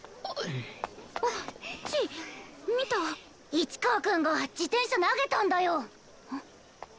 市川くんが自転車投げたんだよ。